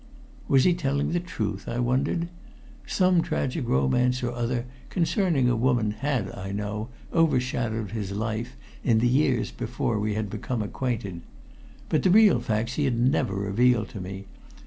Was he telling the truth, I wondered? Some tragic romance or other concerning a woman had, I knew, overshadowed his life in the years before we had become acquainted. But the real facts he had never revealed to me.